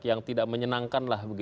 yang tidak menyenangkan lah